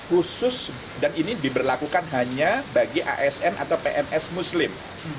khusus dan ini diberlakukan hanya bagi asn atau pns muslim